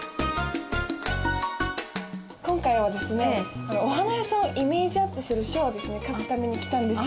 今回はですねお花屋さんをイメージアップする書を書くために来たんですよ。